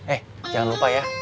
eh jangan lupa ya